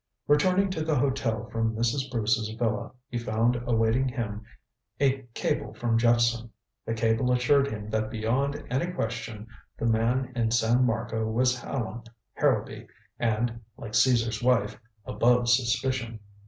Returning to the hotel from Mrs. Bruce's villa, he found awaiting him a cable from Jephson. The cable assured him that beyond any question the man in San Marco was Allan Harrowby and, like Cæsar's wife, above suspicion.